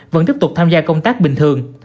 vẫn tiếp tục tham gia công tác bình thường